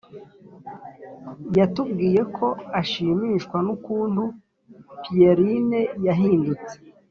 yatubwiye ko ashimishwa n’ukuntu pierrine yahindutse,